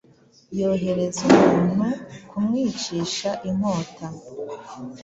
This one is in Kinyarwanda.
yohereza umuntu wo kumwicisha inkota